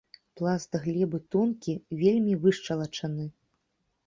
Пласт глебы тонкі, вельмі вышчалачаны.